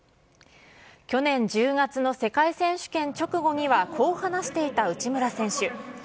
去年１０月の世界選手権直後には、こう話していた内村選手。